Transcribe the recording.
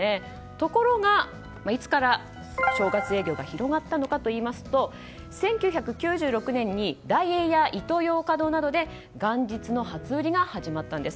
ところが、いつから正月営業が始まったのかといいますと１９９６年にダイエーやイトーヨーカドーなどで元日の初売りが始まったんです。